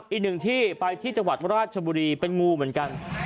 อีกหนึ่งที่ไปที่จังหวัดราชบุรีเป็นงูเหมือนกัน